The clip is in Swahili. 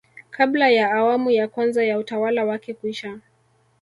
kabla ya awamu ya kwanza ya utawala wake kuisha